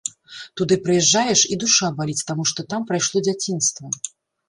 Туды прыязджаеш, і душа баліць, таму што там прайшло дзяцінства.